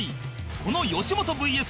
この吉本 ＶＳ